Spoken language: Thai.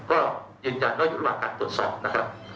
ก็ยืนยันว่าอยู่ระหว่างการตรวจสอบนะครับ